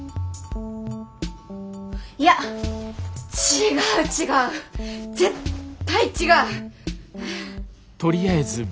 いや違う違う絶対違う！